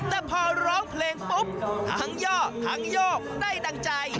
แต่พอร้องเพลงปุงฐังเยาะฐังโยบได้ดังใจ